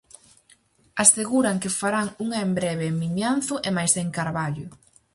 Aseguran que farán unha en breve en Vimianzo e mais en Carballo.